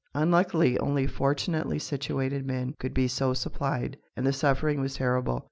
Unluckily, only fortunately situated men could be so supplied, and the suffering was terrible.